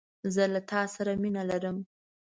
زه له تا سره مینه لرم